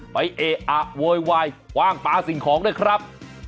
เอะอะโวยวายคว่างปลาสิ่งของด้วยครับ